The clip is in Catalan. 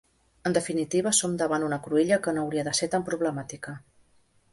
En definitiva, som davant una cruïlla que no hauria de ser tan problemàtica.